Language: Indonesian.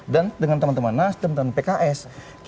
dan dengan teman teman nasdem dan pks